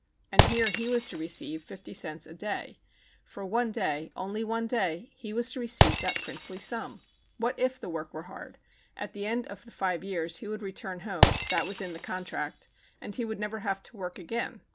And here he was to receive fifty cents a day; for one day, only one day, he was to receive that princely sum ! What if the vv^ork were hard ? At the end of the five years he would return home ã that was in the contract ã and he would never have to work again.